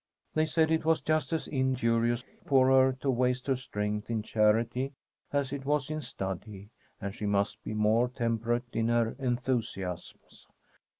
They said it was just as injurious for her to waste her strength in charity as it was in study, and she must be more temperate in her enthusiasms.